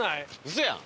嘘やん！